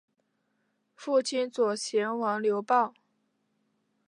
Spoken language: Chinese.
父亲左贤王刘豹。